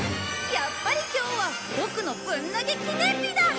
やっぱり今日はボクのぶん投げ記念日だ！